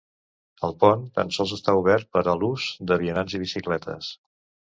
El pont tan sols està obert per a l'ús de vianants i bicicletes.